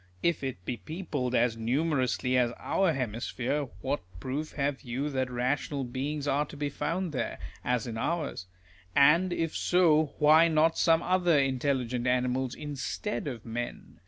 If it be peopled as numerously as our hemisphere, what proof have you that rational beings are to be found there, as in ours ? And if so, why not some other intelligent animals instead of men